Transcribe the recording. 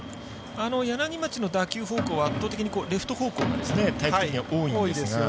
柳町の打球方向は圧倒的にレフト方向がタイプ的には多いんですが。